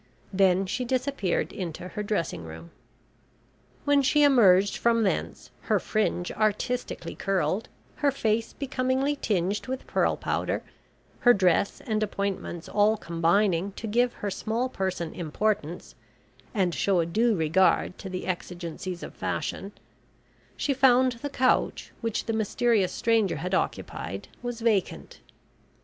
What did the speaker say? Then she disappeared into her dressing room. When she emerged from thence, her fringe artistically curled, her face becomingly tinged with pearl powder, her dress and appointments all combining to give her small person importance, and show a due regard to the exigencies of fashion, she found the couch which the mysterious stranger had occupied was vacant.